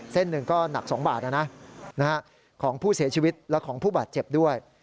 เส้นหนึ่งก็หนัก๒บาทของผู้เสียชีวิตและของผู้บาดเจ็บด้วย